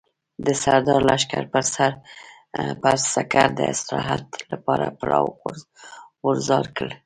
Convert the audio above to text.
د سردار لښکر به پر سکر د استراحت لپاره پړاو غورځار کړي.